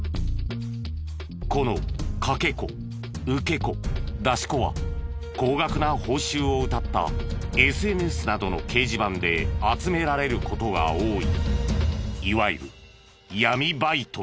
このかけ子受け子出し子は高額な報酬をうたったＳＮＳなどの掲示板で集められる事が多い。